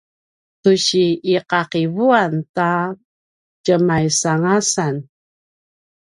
tu si iqaqivuan ta tjemaisangasan